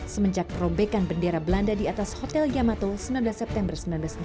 semenjak robekan bendera belanda di atas hotel yamato sembilan belas september seribu sembilan ratus enam puluh